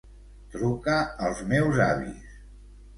Truca als meus avis.